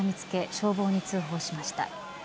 消防に通報しました。